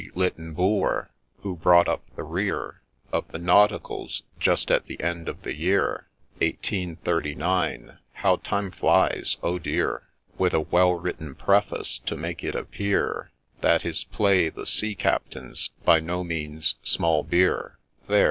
Lytton Bulwer, who brought up the rear Of the ' Nauticals,' just at the end of the year Eighteen thirty nine — (how Time flies !— Oh, dear !)— With a well written preface, to make it appear That his play, the ' Sea Captain,' 's by no means small beer ; There